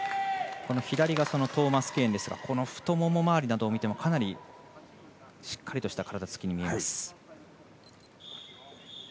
トーマスケーンですが太もも周りを見てもかなりしっかりとした体つきに見えます。